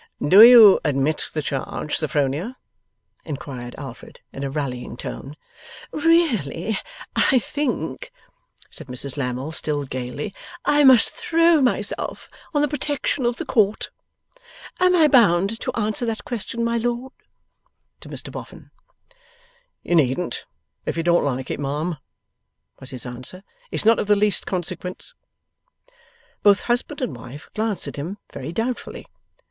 'Do you admit the charge, Sophronia?' inquired Alfred, in a rallying tone. 'Really, I think,' said Mrs Lammle, still gaily, 'I must throw myself on the protection of the Court. Am I bound to answer that question, my Lord?' To Mr Boffin. 'You needn't, if you don't like, ma'am,' was his answer. 'It's not of the least consequence.' Both husband and wife glanced at him, very doubtfully.